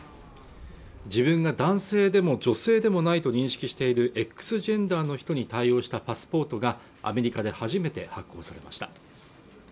自分が男性でも女性でもないと認識しているＸジェンダーの人に対応したパスポートがアメリカで初めて発行されました